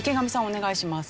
お願いします。